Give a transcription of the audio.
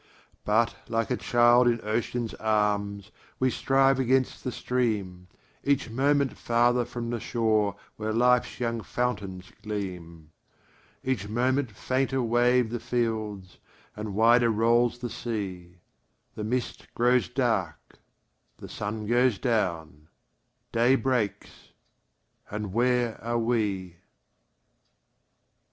But, like a child in ocean's arms, We strive against the stream, Each moment farther from the shore Where life's young fountains gleam; Each moment fainter wave the fields, And wider rolls the sea; The mist grows dark, the sun goes down, Day breaks, and where are we?